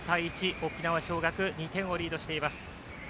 沖縄尚学２点をリードしています。